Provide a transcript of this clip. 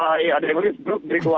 hari ada yang berkeluarga juga